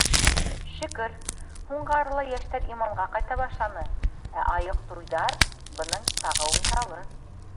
Шөкөр, һуңғы арала йәштәр иманға ҡайта башланы, ә айыҡ туйҙар — бының сағыу миҫалы.